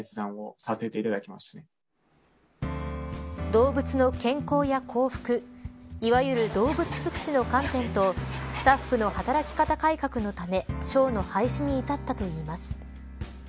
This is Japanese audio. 動物の健康や幸福いわゆる動物福祉の観点とスタッフの働き方改革のためショーの廃止に至ったといいます。